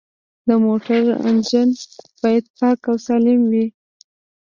د موټر انجن باید پاک او سالم وي.